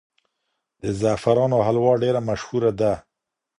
د زعفرانو حلوا ډېره مشهوره ده.